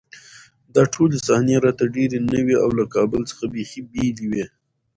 دا ټولې صحنې راته ډېرې نوې او له کابل څخه بېخي بېلې وې